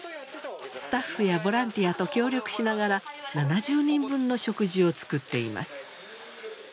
スタッフやボランティアと協力しながら７０人分の食事を作っています。